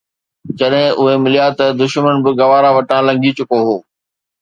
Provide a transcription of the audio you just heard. جڏهن اهي مليا ته دشمن به گوارا وٽان لنگهي چڪو هو